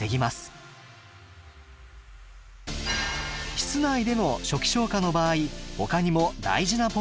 室内での初期消火の場合ほかにも大事なポイントがあります。